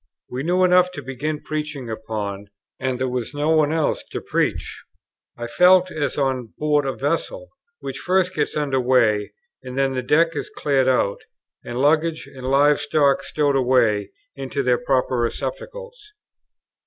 We knew enough to begin preaching upon, and there was no one else to preach. I felt as on board a vessel, which first gets under weigh, and then the deck is cleared out, and luggage and live stock stowed away into their proper receptacles.